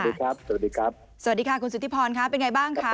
สวัสดีค่ะคุณสุธิพรเป็นไงบ้างคะ